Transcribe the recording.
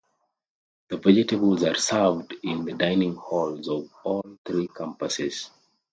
The vegetables are served in the dining halls of all three campuses.